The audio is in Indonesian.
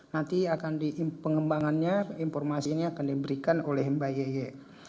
nanti akan di pengembangannya informasinya akan diberikan oleh mba yeye